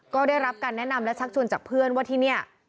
ก็ได้รับการแนะนำและชักชวนจากเพื่อนว่าที่นี่